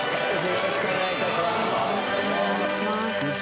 よろしくお願いします。